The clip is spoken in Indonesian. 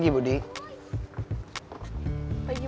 baiklah minta apa nuncuk ini